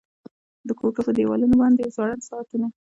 د کوټو په دیوالونو باندې ځوړند ساعتونه